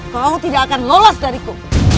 kau tidak akan lolos dariku